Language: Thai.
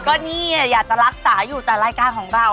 ก็นี่แหละอยากจะรักษาอยู่แต่รายการของเรา